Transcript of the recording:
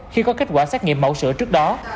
khi có kết quả xét nghiệm mẫu sửa trước đó